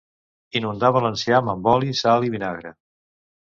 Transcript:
Inundava l'enciam amb oli, sal i vinagre.